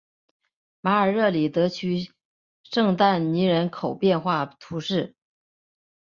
马尔热里德地区圣但尼人口变化图示